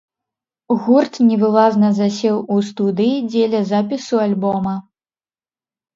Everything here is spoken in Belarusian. Гурт невылазна засеў у студыі дзеля запісу альбома.